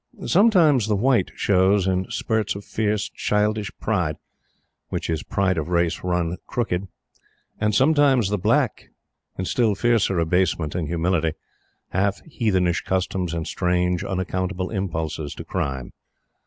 Sometimes the White shows in spurts of fierce, childish pride which is Pride of Race run crooked and sometimes the Black in still fiercer abasement and humility, half heathenish customs and strange, unaccountable impulses to crime.